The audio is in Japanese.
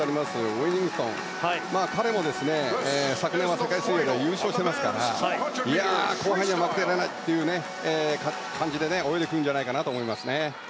ウィニングトン彼も昨年は世界水泳で優勝していますから後輩には負けてられないという感じで泳いでくるんじゃないかと思いますね。